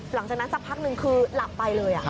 หลังจากนั้นสักพักนึงคือหลับไปเลย